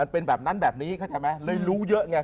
เป็นแบบนั้นแบบนี้เลยรู้เยอะไง